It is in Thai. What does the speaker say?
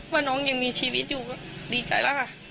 ว่าน้องยังมีชีวิตอยู่ก็ดีใจแล้วค่ะ